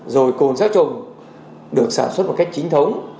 rồi cồn sát trùng được sản xuất một cách chính thống